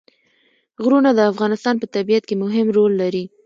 غرونه د افغانستان په طبیعت کې مهم رول لري.